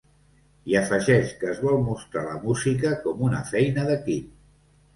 I afegeix que es vol mostrar la música com una feina d’equip.